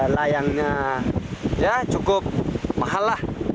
layangnya cukup mahal lah